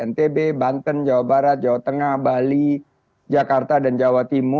dan juga dari bantuan dan juga dari bantuan dan juga dari bantuan dan juga dari bantuan dan juga dari bantuan